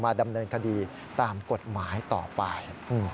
ดำเนินคดีตามกฎหมายต่อไป